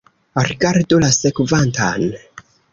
Rigardu la sekvantan.